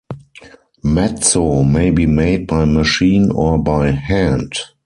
Matzo may be made by machine or by hand.